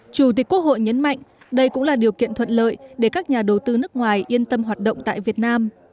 chủ tịch quốc hội nhấn mạnh đây cũng là điều kiện thuận lợi để các nhà đầu tư nước ngoài yên tâm hoạt động tại việt nam